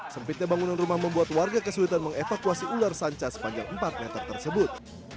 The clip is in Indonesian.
sempitnya bangunan rumah membuat warga kesulitan mengevakuasi ular sanca sepanjang empat meter tersebut